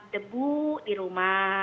debu di rumah